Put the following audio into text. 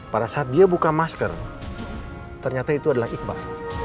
pada saat dia buka masker ternyata itu adalah iqbal